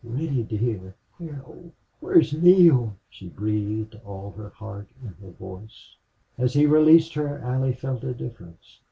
"Reddy dear where, oh, where is Neale?" she breathed, all her heart in her voice. As he released her Allie felt a difference.